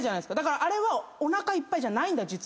あれはおなかいっぱいじゃない。